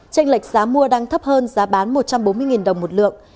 tranh lệch giá mua đang thấp hơn giá bán một trăm bốn mươi đồng một lượng